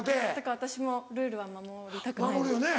私もルールは守りたくない。